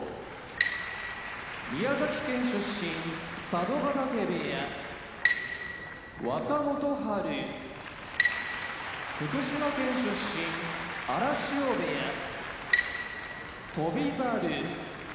佐渡ヶ嶽部屋若元春福島県出身荒汐部屋翔猿